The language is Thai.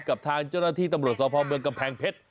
กับทางเจ้าหน้าที่ตำรวจสพเมืองกำแพงเพชร